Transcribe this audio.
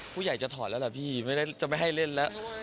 ผู้ใหญ่จะถอดแล้วล่ะพี่ไม่ได้จะไม่ให้เล่นแล้ว